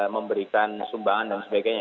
memberikan sumbangan dan sebagainya